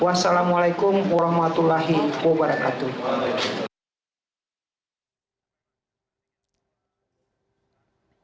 wassalamualaikum warahmatullahi wabarakatuh